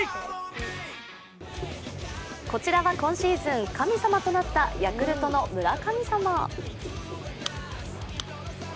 こちらは今シーズン神様となったヤクルトの村上様。